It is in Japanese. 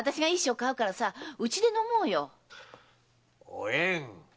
おえん！